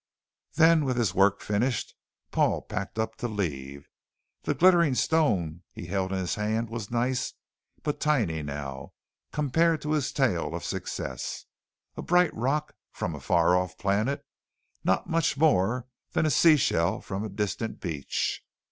Then with his work finished, Paul packed up to leave. The glittering stone he held in his hand was nice, but tiny now, compared to his tale of success. A bright rock from a far off planet, not much more than a seashell from a distant beach.